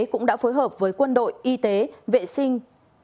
cũng đã phối hợp với quân đội y tế vệ sinh